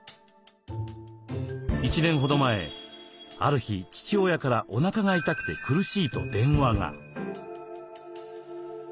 １年ほど前ある日父親からおなかが痛くて苦しいと電話が。